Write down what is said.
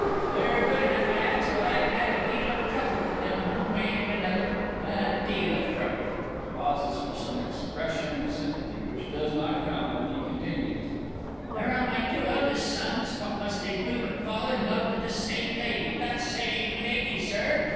They're good enough lads, but I've had a deal of trouble with them one way and another a deal of trouble. (Pauses for some expression of sympathy which does not come and he continues:) There are my two eldest sons what must they do but fall in love with the same lady the same lady, Sir!